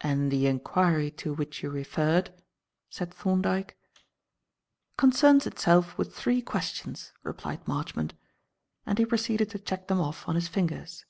"And the inquiry to which you referred?" said Thorndyke. "Concerns itself with three questions," replied Marchmont, and he proceeded to check them off on his fingers.